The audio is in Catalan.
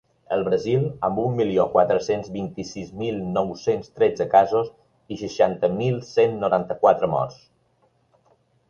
El Brasil, amb un milió quatre-cents vint-i-sis mil nou-cents tretze casos i seixanta mil cent noranta-quatre morts.